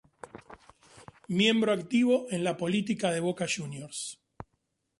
Miembro activo en la política de Boca Juniors.